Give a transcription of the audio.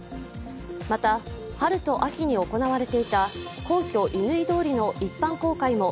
また、春と秋に行われていた皇居・乾通りの一般公開も